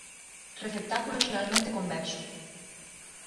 Receptáculo xeralmente convexo.